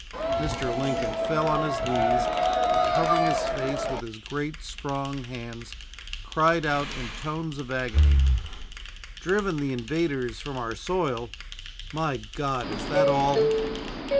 Mr. Lincoln fell on his knees and, covering his face with his great, strong hands, cried out in tones of agony: "'Driven the invaders from our soil!' My God, is that all?"